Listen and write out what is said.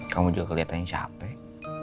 kamu juga kelihatan capek